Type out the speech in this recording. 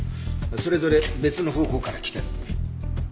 それぞれ別の方向から来てる。